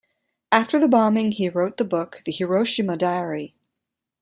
After the bombing he wrote the book The Hiroshima Diary.